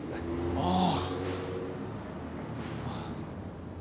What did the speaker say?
ああ。